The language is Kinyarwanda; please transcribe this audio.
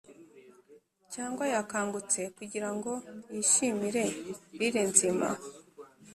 cyangwa yakangutse kugirango yishimire lyre nzima: